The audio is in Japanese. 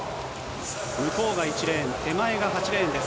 向こうが１レーン、手前が８レーンです。